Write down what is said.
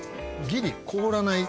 ギリ凍らない